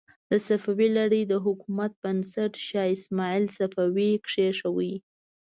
د صفوي لړۍ د حکومت بنسټ شاه اسماعیل صفوي کېښود.